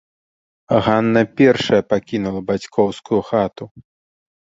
Ганна першая пакінула бацькоўскую хату.